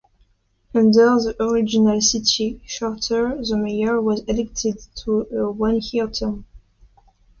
Under the original city charter, the mayor was elected to a one-year term.